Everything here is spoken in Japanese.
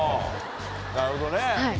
なるほどね。